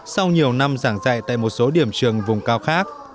sau nhiều năm giảng dạy tại một số điểm trường vùng cao khác